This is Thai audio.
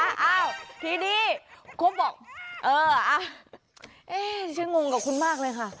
อ้าวทีนี้คุบบอกเอออ่ะเอ๊ะฉันงงกับคุณมากเลยค่ะ